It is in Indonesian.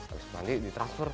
abis mandi ditransfer